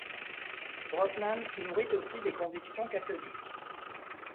Brosnan nourrit aussi des convictions catholiques.